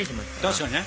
確かにね。